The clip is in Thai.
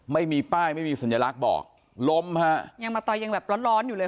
ไม่มีป้ายไม่มีสัญลักษณ์บอกล้มฮะยังมาต่อยยังแบบร้อนร้อนอยู่เลย